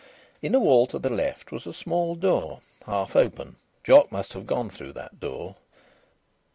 In a wall to the left was a small door, half open. Jock must have gone through that door.